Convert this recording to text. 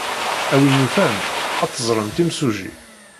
A win yufan, ad teẓremt imsujji.